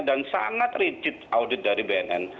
dan sangat rigid audit dari bnn